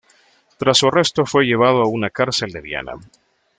Tras su arresto fue llevado a una cárcel de Viena.